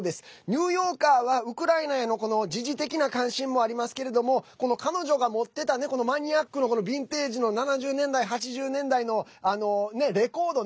ニューヨーカーはウクライナへの時事的な関心もありますけれども彼女が持ってたマニアックなビンテージの７０年代、８０年代のレコード。